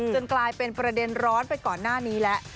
กลายเป็นประเด็นร้อนไปก่อนหน้านี้แล้ว